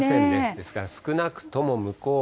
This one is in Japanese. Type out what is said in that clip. ですから少なくとも向こう